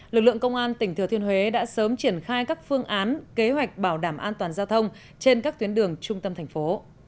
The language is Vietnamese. lực lượng công an tỉnh thừa thiên huế đã sớm triển khai các phương án kế hoạch bảo đảm an toàn giao thông trên các tuyến đường trung tâm thành phố